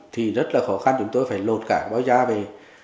thì rất là khó khăn chúng tôi phải lột cả nó ra về